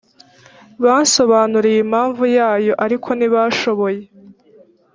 bansobanurire impamvu yayo ariko ntibashoboye